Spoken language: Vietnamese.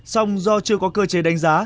xong do chưa có cơ chế đánh giá